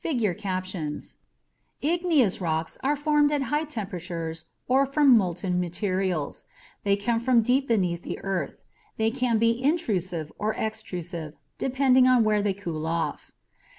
[figure captions] Igneous rocks are formed at high temperatures or from molten materials. They come from deep beneath the earth. They can be intrusive or extrusive depending on where they cooled off.